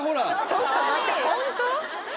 ちょっと待ってホント？